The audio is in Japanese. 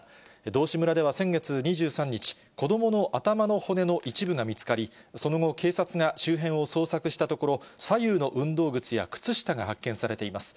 道志村では先月２３日、子どもの頭の骨の一部が見つかり、その後、警察が周辺を捜索したところ、左右の運動靴や靴下が発見されています。